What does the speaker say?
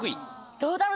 どうだろう？